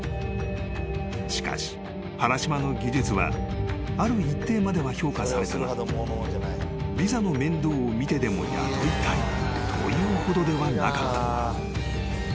［しかし原島の技術はある一定までは評価されたがビザの面倒を見てでも雇いたいというほどではなかった］